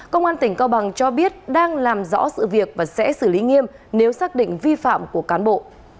công an tỉnh cao bằng cho biết đang làm rõ sự việc và sẽ xử lý nghiêm nếu xác định vi phạm của cán bộ